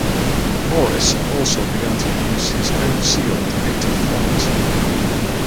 Maurice also began to use his own seal depicted flowers.